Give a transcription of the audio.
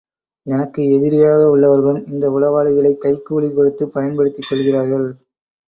எனக்கு எதிரியாக உள்ளவர்களும் இந்த உளவாளிகளைக் கைக்கூலி கொடுத்துப் பயன்படுத்திக் கொள்கிறார்கள்.